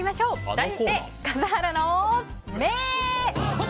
題して、笠原の眼！